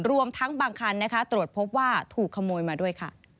รวมทั้งบางคันตรวจพบว่าถูกขโมยมาด้วยค่ะ